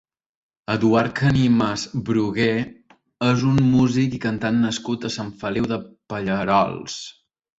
Eduard Canimas Brugué és un músic i cantant nascut a Sant Feliu de Pallerols.